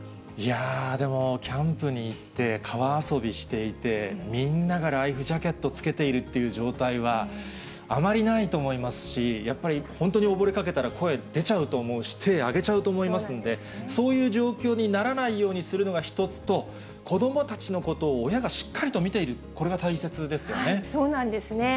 でも、キャンプに行って、川遊びしていて、みんながライフジャケットつけているっていう状態は、あまりないと思いますし、やっぱり、本当に溺れかけたら声出ちゃうと思うし、手挙げちゃうと思いますんで、そういう状況にならないようにするのが一つと、子どもたちのことを親がしっかりと見ている、そうなんですね。